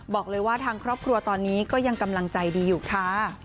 บอกเลยว่าทางครอบครัวตอนนี้ก็ยังกำลังใจดีอยู่ค่ะ